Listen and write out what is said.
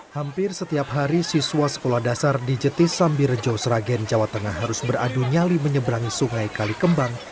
hampir setiap hari siswa sekolah dasar di jetis sambirejo sragen jawa tengah harus beradu nyali menyeberangi sungai kalikembang